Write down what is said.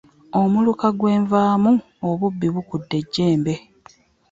Omuluka gwe nvaamu obubbi bukudde ejjembe.